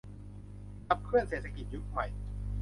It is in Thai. ขับเคลื่อนเศรษฐกิจยุคใหม่